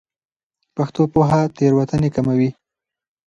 پښتو پوهه تېروتنې کموي.